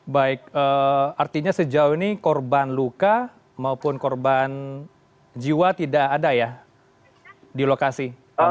baik artinya sejauh ini korban luka maupun korban jiwa tidak ada ya di lokasi